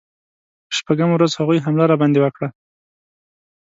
په شپږمه ورځ هغوی حمله راباندې وکړه.